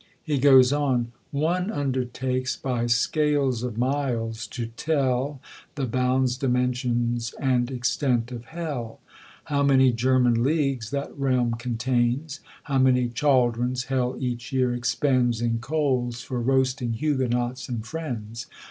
He goes on: One undertakes by scales of miles to tell The bounds, dimensions, and extent of HELL; How many German leagues that realm contains! How many chaldrons Hell each year expends In coals for roasting Hugonots and friends!